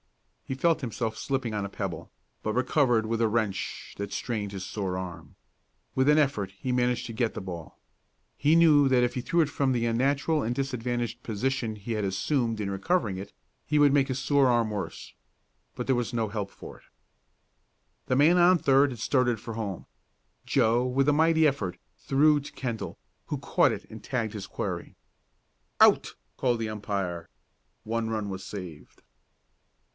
He felt himself slipping on a pebble, but recovered with a wrench that strained his sore arm. With an effort he managed to get the ball. He knew that if he threw it from the unnatural and disadvantageous position he had assumed in recovering it, he would make his sore arm worse. But there was no help for it. The man on third had started for home. Joe, with a mighty effort, threw to Kendall, who caught it and tagged his quarry. "Out!" called the umpire. One run was saved.